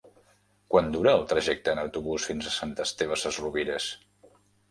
Quant dura el trajecte en autobús fins a Sant Esteve Sesrovires?